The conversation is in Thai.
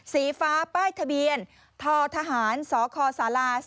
สีฟ้าป้ายทะเบียนททหารสคศ